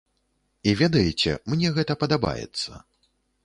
І ведаеце, мне гэта падабаецца.